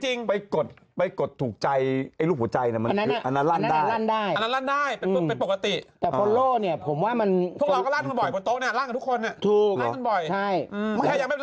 จริงไปกดไปกดถูกใจให้มันลั่งลั้นได้เป็นปกติแล้วเนี่ยผมว่ามันบ้างบอกทุกใก่ทุกคน